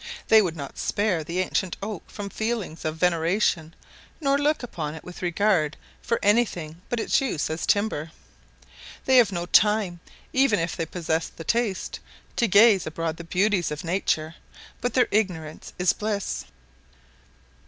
They would not spare the ancient oak from feelings of veneration, nor look upon it with regard for any thing but its use as timber. They have no time, even if they possessed the taste, to gaze abroad on the beauties of Nature, but their ignorance is bliss.